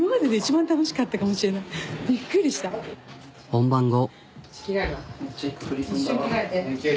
本番後。